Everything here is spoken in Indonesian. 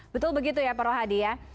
betul begitu ya pak rohadi ya